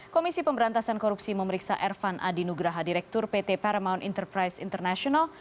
komisi pemberantasan korupsi memeriksa ervan adi nugraha direktur pt paramound enterprise international